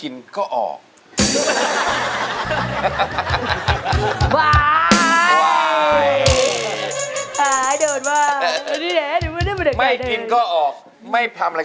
หล่อหรือเปล่าหล่อแม่